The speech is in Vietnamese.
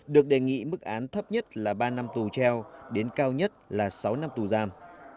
được đề nghị mức án thấp nhất là ba năm tù treo đến cao nhất là sáu năm tù giam